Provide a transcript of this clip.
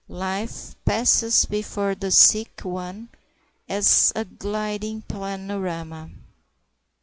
Life passes before the sick one as a gliding panorama.